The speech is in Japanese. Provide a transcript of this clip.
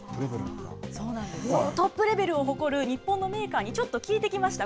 トップレベルを誇る日本のメーカーに、ちょっと聞いてきました。